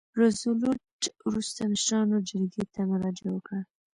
روزولټ وروسته مشرانو جرګې ته مراجعه وکړه.